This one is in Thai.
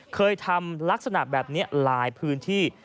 เคยทำลักษณะแบบนี้หลายพื้นที่